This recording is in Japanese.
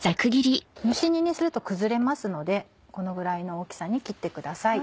蒸し煮すると崩れますのでこのぐらいの大きさに切ってください。